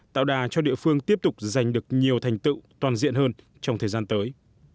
tạo đà cho địa phương tiếp tục giành được nhiều thành tựu toàn diện hơn trong thời gian tới